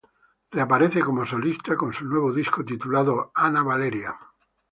Reaparece como solista con su nuevo disco titulado Ana Valeria.